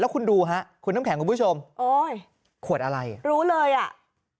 คุณดูฮะคุณน้ำแข็งคุณผู้ชมโอ้ยขวดอะไรรู้เลยอ่ะ